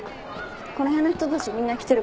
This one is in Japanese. この辺の人たちみんな来てるから。